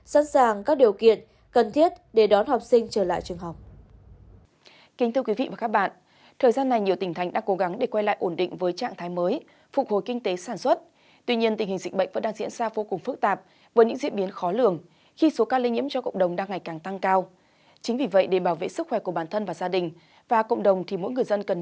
sẵn sàng các điều kiện cần thiết để đón học sinh trở lại trường học